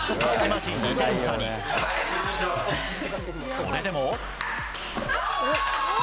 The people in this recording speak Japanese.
それでも。